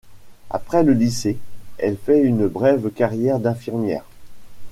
Après le lycée, elle fait une brève carrière d'infirmière.